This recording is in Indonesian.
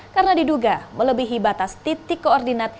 karena diduga melebihi batas titik koordinat